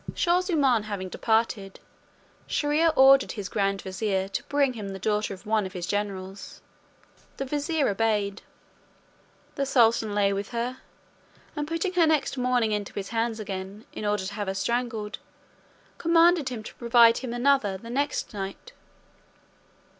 Shaw zummaun having departed, Shier ear ordered his grand vizier to bring him the daughter of one of his generals. The vizier obeyed. The sultan lay with her, and putting her next morning into his hands again in order to have her strangled, commanded him to provide him another the next night.